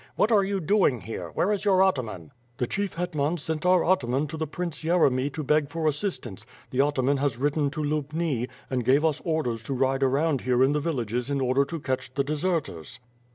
"What are you doing here? Where is your atman?" "The Chief Hetman sent our atman to the Prince Yeremy to beg for assistance, the atman has ridden to Lubni, and gave us orders to ride round here in the villages in order to catch the deserters."